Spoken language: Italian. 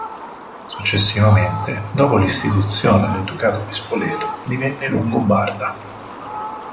Successivamente, dopo l'istituzione del Ducato di Spoleto, divenne longobarda.